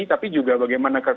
tapi juga bagaimana